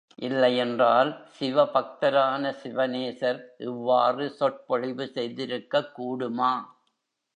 இல்லையென்றால், சிவபக்தரான சிவநேசர் இவ்வாறு சொற்பொழிவு செய்திருக்கக் கூடுமா?